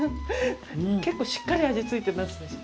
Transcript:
結構しっかり味付いてますでしょ？